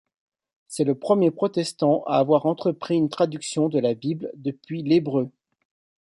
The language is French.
C’est le premier protestant à avoir entrepris une traduction de la Bible depuis l’hébreu.